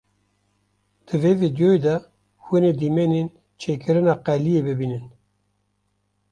Di vê vîdyoyê de hûn ê dîmenên çêkirina qeliyê bibînin.